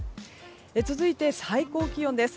続いて、最高気温です。